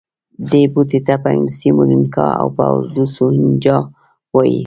دې بوټي ته په انګلیسي مورینګا او په اردو سوهنجنا وايي